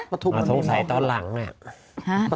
มาที่สมใสตอนหลังอ่ะ